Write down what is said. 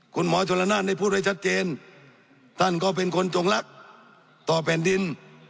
คุณหมอชนละนานได้พูดไว้ชัดเจนท่านก็เป็นคนจงรักต่อแผ่นดิน